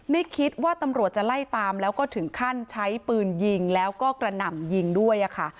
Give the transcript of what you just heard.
ไม่คิดว่าตำรวจจะไล่ตามแล้วก็ถึงขั้นใช้ปืนยิงแล้วก็กระหน่ำยิงด้วยค่ะ